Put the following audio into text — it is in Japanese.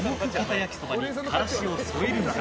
焼きそばに、からしを添えるのか？